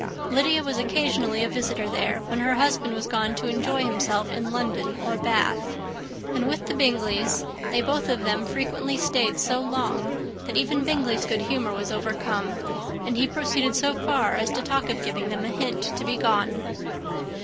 Lydia was occasionally a visitor there, when her husband was gone to enjoy himself in London or Bath; and with the Bingleys they both of them frequently stayed so long, that even Bingley's good humour was overcome, and he proceeded so far as to talk of giving them a hint to be gone.